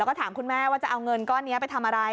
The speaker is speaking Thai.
แล้วก็ถามคุณแม่ว่าจะเอาเงินก้อนนี้ไปทำอะไร